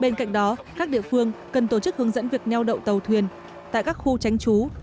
bên cạnh đó các địa phương cần tổ chức hướng dẫn việc neo đậu tàu thuyền tại các khu tránh trú